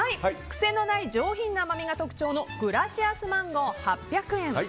癖のない上品な甘みが特徴のグラシアスマンゴー、８００円。